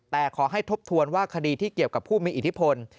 แต่ขอให้ทบทวนว่าคดีที่เกี่ยวกับผู้มีอิทธิพล